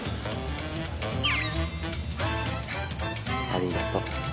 ありがとう。